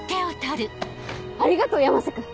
ありがとう山瀬君！